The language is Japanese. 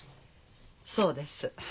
そうです。